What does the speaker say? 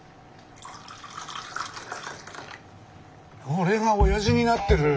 俺がオヤジになってる。